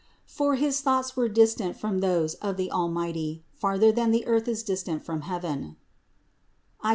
For his thoughts 264 CITY OF GOD were distant from those of the Almighty farther than the earth is distant from heaven (Is.